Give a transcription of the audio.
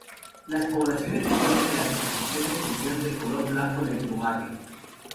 Las poblaciones difieren en la distribución y extensión del color blanco en el plumaje.